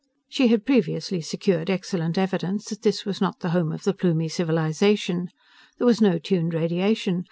She had previously secured excellent evidence that this was not the home of the Plumie civilization. There was no tuned radiation.